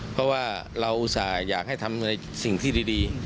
เพราะว่าเราอุตส่าห์อยากให้ทำในสิ่งที่ดี